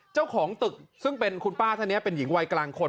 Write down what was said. เจ้าของตึกซึ่งเป็นคุณป้าท่านนี้เป็นหญิงวัยกลางคน